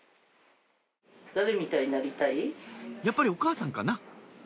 やっぱりお母さんかな？